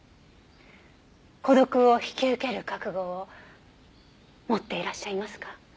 孤独を引き受ける覚悟を持っていらっしゃいますか？